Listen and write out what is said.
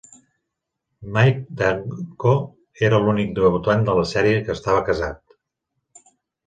Mike Danko era l'únic debutant de la sèrie que estava casat.